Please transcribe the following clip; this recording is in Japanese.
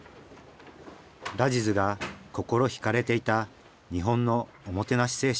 ラジズが心惹かれていた日本のおもてなし精神。